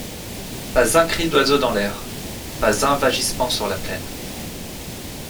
Pas un cri d’oiseau dans l’air, pas un vagissement sur la plaine.